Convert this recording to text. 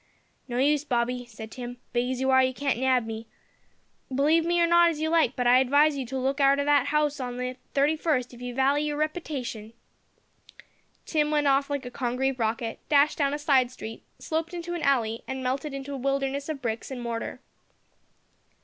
"No use, bobby," said Tim, "big as you are, you can't nab me. Believe me or not as you like, but I advise you to look arter that there 'ouse on the 31st if you valley your repitation." Tim went off like a congreve rocket, dashed down a side street, sloped into an alley, and melted into a wilderness of bricks and mortar.